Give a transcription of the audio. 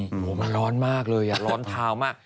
โหมันร้อนมากเลยร้อนเทามาก